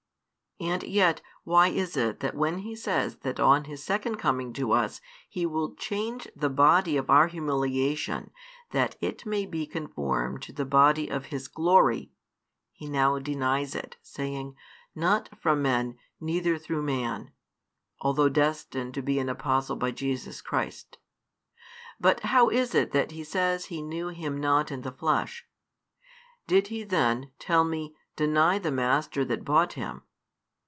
And yet, why is it that when He says that on His second coming to us He will change the body of our humiliation, that it may be conformed to the body of His glory, he now denies it, saying: Not from men, neither through man, although destined to be an apostle by Jesus Christ? But how is it that he says he knew Him not in the flesh? Did he then, tell me, deny the Master that bought him?